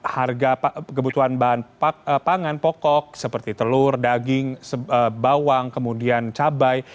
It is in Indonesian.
harga kebutuhan bahan pangan pokok seperti telur daging bawang kemudian cabai